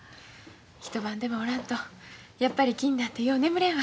一晩でもおらんとやっぱり気になってよう眠れんわ。